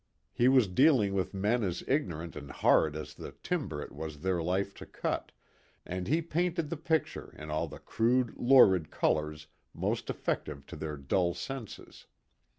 He was dealing with men as ignorant and hard as the timber it was their life to cut, and he painted the picture in all the crude, lurid colors most effective to their dull senses.